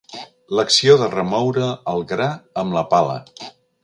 L'acció de remoure el gra amb la pala.